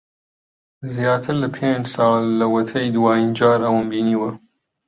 زیاتر لە پێنج ساڵە لەوەتەی دوایین جار ئەوم بینیوە.